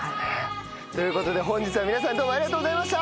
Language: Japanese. ということで本日は皆さんどうもありがとうございました。